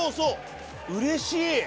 うれしい。